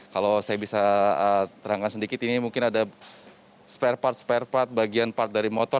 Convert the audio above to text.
kalau saya bisa terangkan sedikit ini mungkin ada spare part spare part bagian part dari motor